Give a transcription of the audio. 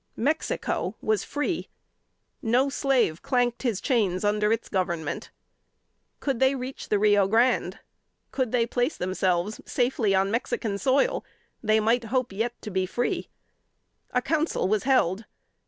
Mexico was free! No slave clanked his chains under its government. Could they reach the Rio Grande? Could they place themselves safely on Mexican soil, they might hope yet to be free. A Council was held.